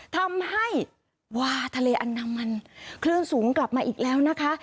ทำให้วาทะเลอันดามันคลื่นสูงกลับมาอีกแล้วนะคะ